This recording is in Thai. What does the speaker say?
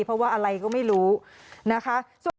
เพราะว่าอะไรก็ไม่รู้นะคะ